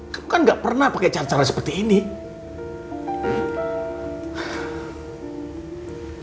kamu kan gak pernah pakai cara seperti ini